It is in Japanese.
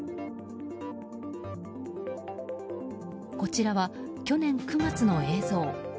こちらは去年９月の映像。